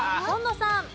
紺野さん。